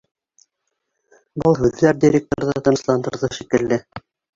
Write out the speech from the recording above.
Был һүҙҙәр директорҙы тынысландырҙы шикелле.